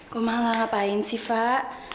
kok malah ngapain sih pak